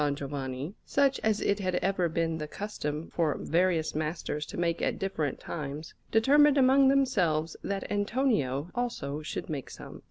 Giovanni, such as it had ever been the custom for various masters to make at different times, determined among themselves that Antonio also should make some.